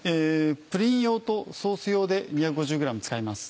プリン用とソース用で２５０ｇ使います。